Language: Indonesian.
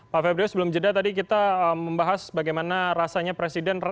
pak febrio sebelum jeda tadi kita membahas bagaimana rasanya presiden